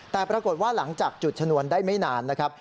แต่ปรากฏว่าหลังจากจุดชนวนได้ไม่นานนะครับ